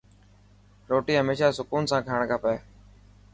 روٽي هميشه سڪون سان کاڻ کپي.